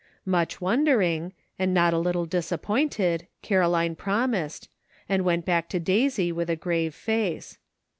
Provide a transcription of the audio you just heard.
Much wondering, and not a little disappointed, Caroline promised, and went back to Daisy, with a grave face.